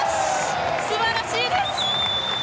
素晴らしいです！